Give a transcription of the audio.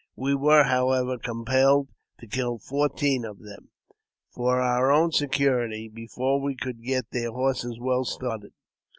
We were, however, compelled to kill fourteen of them, for our own security, before we could get their horses well started.